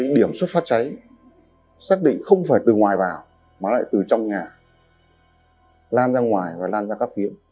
điểm xuất phát cháy xác định không phải từ ngoài vào mà lại từ trong nhà lan ra ngoài và lan ra các phiếm